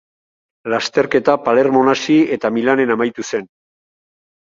Lasterketa Palermon hasi eta Milanen amaitu zen.